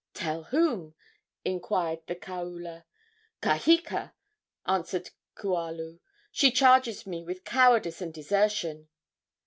"Tell whom?" inquired the kaula. "Kaheka," answered Kualu. "She charges me with cowardice and desertion."